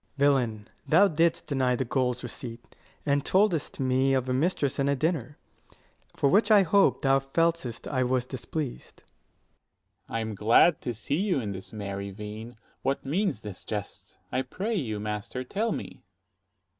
Ant. S. Villain, thou didst deny the gold's receipt, And told'st me of a mistress and a dinner; For which, I hope, thou felt'st I was displeased. Dro. S. I am glad to see you in this merry vein: 20 What means this jest? I pray you, master, tell me.